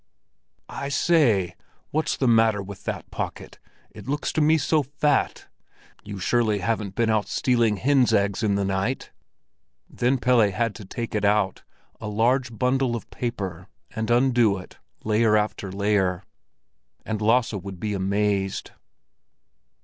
"I say, what's the matter with that pocket? It looks to me so fat! You surely haven't been out stealing hens' eggs in the night?" Then Pelle had to take it out—a large bundle of paper—and undo it, layer after layer. And Lasse would be amazed.